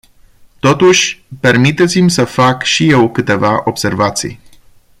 Totuși, permiteți-mi să fac și eu câteva observații.